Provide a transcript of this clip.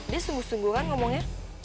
dia sungguh sungguh kan ngomongnya